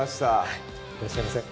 はいいらっしゃいませ